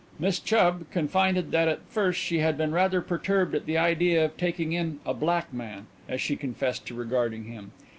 Miss Chubb confided that at first she had been rather perturbed at the idea of taking in "a black man," as she confessed to regarding him.